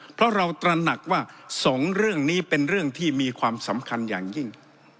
เพราะเราตระหนักว่าสองเรื่องนี้เป็นเรื่องที่มีความสำคัญอย่างยิ่ง